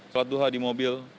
sholat duha di mobil